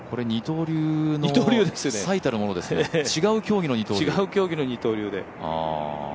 二刀流の最たるものですね、違う競技の二刀流。